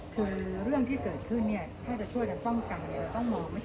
คือเรื่องที่เกิดขึ้นเนี่ยถ้าจะช่วยกับป้องกันเนี่ยเราต้องมอง